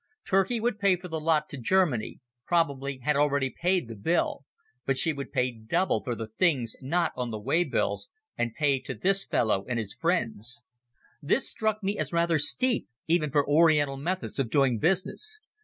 Turkey would pay for the lot to Germany: probably had already paid the bill: but she would pay double for the things not on the way bills, and pay to this fellow and his friends. This struck me as rather steep even for Oriental methods of doing business.